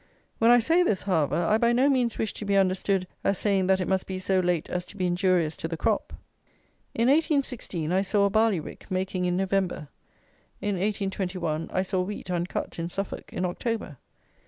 When I say this, however, I by no means wish to be understood as saying that it must be so late as to be injurious to the crop. In 1816, I saw a barley rick making in November. In 1821, I saw wheat uncut, in Suffolk, in October.